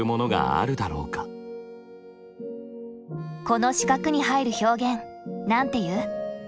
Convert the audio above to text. この四角に入る表現なんて言う？